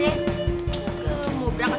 maksudnya emaknya udah berangkat